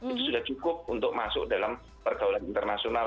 itu sudah cukup untuk masuk dalam pergaulan internasional